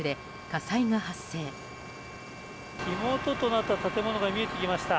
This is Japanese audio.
火元となった建物が見えてきました。